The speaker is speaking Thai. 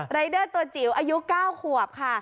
รายเดอร์ตัวจิ๋วอายุ๙ขวบค่ะ